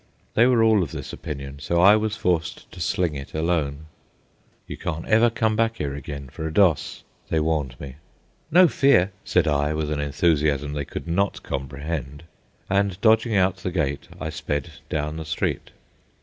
They were all of this opinion, so I was forced to "sling it" alone. "You cawn't ever come back 'ere again for a doss," they warned me. "No fear," said I, with an enthusiasm they could not comprehend; and, dodging out the gate, I sped down the street.